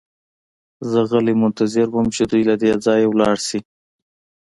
زه غلی منتظر وم چې دوی له دې ځایه لاړ شي